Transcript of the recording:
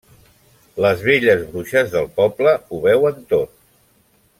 Les velles bruixes del poble ho veuen tot.